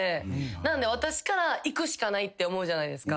なので私から行くしかないって思うじゃないですか。